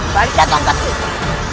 baris datang ketemu